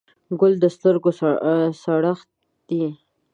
ګل د سترګو سړښت دی.